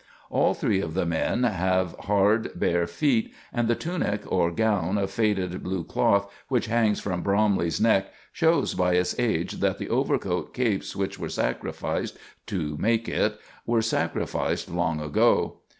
All three of the men have hard, bare feet, and the tunic or gown of faded blue cloth which hangs from Bromley's neck shows by its age that the overcoat capes which were sacrificed to make it were sacrificed long ago.